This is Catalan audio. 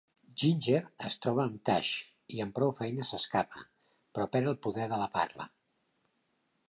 Ginger es troba amb Tash i amb prou feines s'escapa, però perd el poder de la parla.